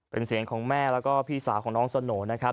เป็นเสียงของแม่แล้วก็พี่สาวของน้องสโหน่นะครับ